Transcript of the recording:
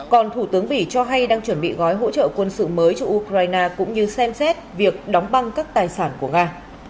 còn thủ tướng bỉ cho hay đang chuẩn bị gói hỗ trợ quân sự mới cho ukraine cũng như xem xét việc đóng băng các tài sản của nga